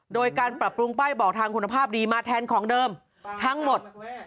โดยการปรับปรุงป้ายบอกทางคุณภาพดีมาแทนของเดิมทั้งหมด